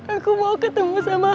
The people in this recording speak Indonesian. aku mau ketemu sama